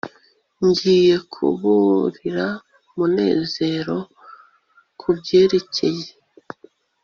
ngiye kuburira munezero kubyerekeye